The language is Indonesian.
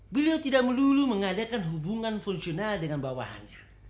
beliau tidak melulu mengadakan hubungan fungsional dengan bawahannya